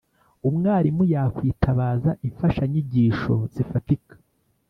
umwarimu yakwitabaza imfashanyigisho zifatika